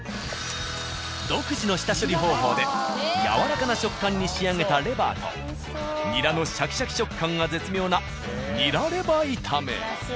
独自の下処理方法でやわらかな食感に仕上げたレバーとニラのシャキシャキ食感が絶妙な安いな。